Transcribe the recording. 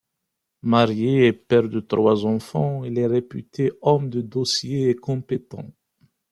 Marié et père de trois enfants, il est réputé homme de dossiers et compétent.